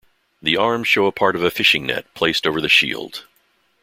The arms show a part of a fishing net placed over the shield.